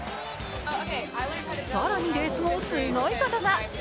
更にレース後すごいことが。